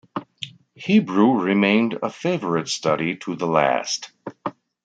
Hebrew remained a favorite study to the last.